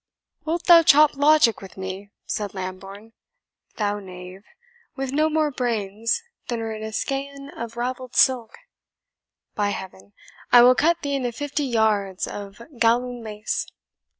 "Wilt thou chop logic with me," said Lambourne, "thou knave, with no more brains than are in a skein of ravelled silk? By Heaven, I will cut thee into fifty yards of galloon lace!"